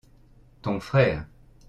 ton frère.